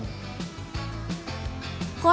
croissant yang sudah diberikan isi kita menawarkan untuk pilihan